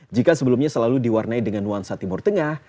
jika sebelumnya selalu diwarnai dengan nuansa timur tengah